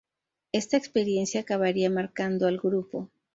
Esta experiencia acabaría marcando al grupo.